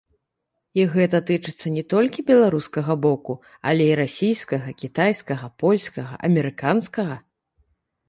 І гэта тычыцца не толькі беларускага боку, але і расійскага, кітайскага, польскага, амерыканскага.